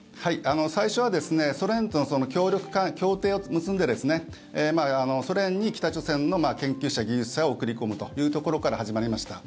最初はソ連との協定を結んでソ連に北朝鮮の研究者、技術者を送り込むというところから始まりました。